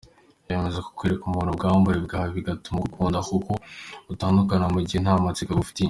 Yemeza ko kwereka umuntu ubwambure bwawe bidatuma agukunda kuko atagukunda mugihe nta matsiko agufitiye.